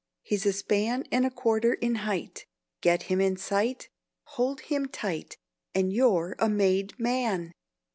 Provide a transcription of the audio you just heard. He's a span And a quarter in height. Get him in sight, hold him tight, And you're a made Man!